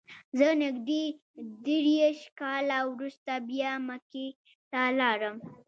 زه نږدې دېرش کاله وروسته بیا مکې ته لاړم.